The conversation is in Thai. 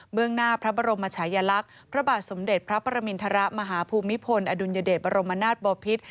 เมืองหน้าพระบรมชายลักษณ์พระบาทสมเด็จพระประมินทรมาฮภูมิพลอดุลยเดชบรมนาศบอพิษ